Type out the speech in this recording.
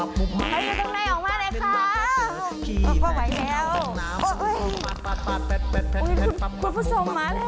คันอยู่ทางในออกมาเลยค่ะ